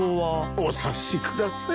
お察しください。